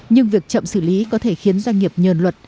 nhưng việc chậm xử lý có thể khiến doanh nghiệp nhờn luật